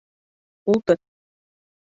Ултыр.